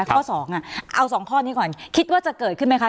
ข้อ๒เอา๒ข้อนี้ก่อนคิดว่าจะเกิดขึ้นไหมคะ